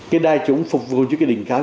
cái đài trúng phục vụ cho cái đỉnh cao